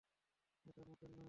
এটা মোটেল নয়।